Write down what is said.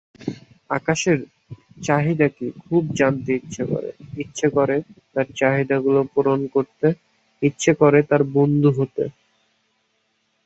Peru অতিবৈচিত্র্যময় দেশগুলির মধ্যে একটি।